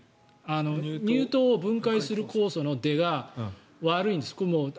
乳糖を分解する酵素の出が悪いんです。